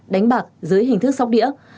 đánh bạc dưới hình thức sóc đĩa